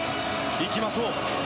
行きましょう。